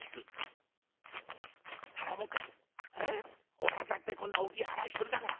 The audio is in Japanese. おらだってこんな大きい腹してるだから。